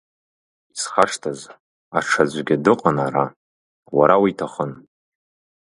Исхашҭыз, аҽаӡәгьы дыҟан ара, уара уиҭахын.